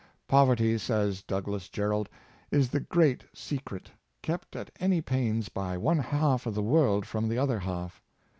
Poverty, says Douglas Jerrold, is the great secret, kept at any pains by one half the world from the other half.